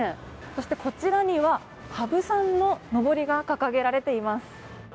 こちらには、羽生さんののぼりが掲げられています。